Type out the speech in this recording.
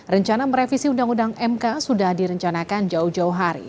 rencana merevisi undang undang mk sudah direncanakan jauh jauh hari